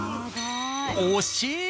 惜しい！